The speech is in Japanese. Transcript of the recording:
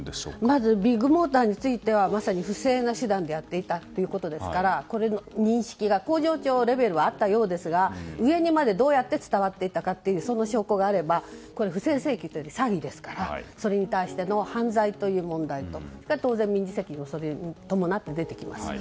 まずビッグモーターについては不正な手段でやっていたということですからこの認識が工場長レベルはあったようですが上にまでどうやって伝わっていたかというその証拠があれば不正請求というよりこれは詐欺ですからそれに対しての犯罪という問題と当然、民事責任もそれに伴って出てきます。